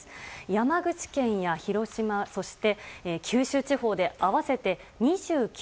山口県や広島、そして九州地方で合わせて２９